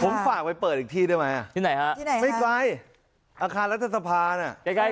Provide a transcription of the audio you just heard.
ผมฝากไว้เปิดอีกที่ได้ไหมที่ไหนฮะไม่ไกลอาคารรัฐสภาเนี้ยใกล้